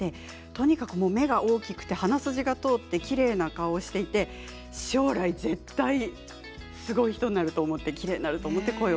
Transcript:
とにかく目が大きくて鼻筋が通ってきれいな顔をしていて将来絶対に、すごい人になると思っていたということです。